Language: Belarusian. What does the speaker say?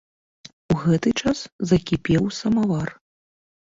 У гэты час закіпеў самавар.